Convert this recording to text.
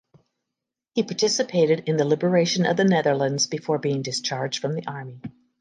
He participated in the liberation of the Netherlands before being discharged from the army.